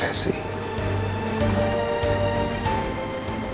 bukan untuk kebahagiaan